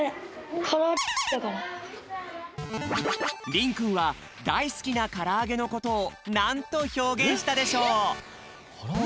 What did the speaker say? りんくんはだいすきなからあげのことをなんとひょうげんしたでしょう？